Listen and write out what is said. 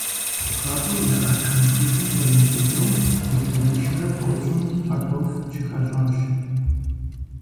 Хуабэу яӏа тхьэмахуитӏым къриубыдэу гектарищэрэ тӏощӏым кӏэртӏоф щыхащӏащ.